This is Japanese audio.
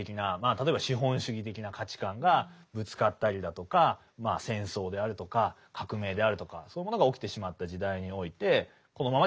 例えば資本主義的な価値観がぶつかったりだとかまあ戦争であるとか革命であるとかそういうものが起きてしまった時代においてこのままではいけないと。